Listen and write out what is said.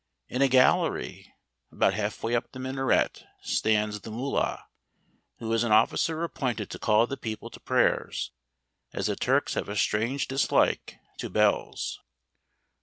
In a gallery, about half way up the minaret, stands the Mullah, who is an officer appointed to call the people to prayers, as the Turks have a strange dislike to bells.